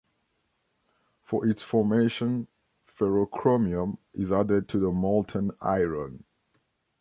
For its formation, ferrochromium is added to the molten iron.